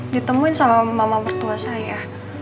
ditemuin sama mama mertua saya